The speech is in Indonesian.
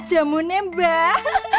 jauh nih mbak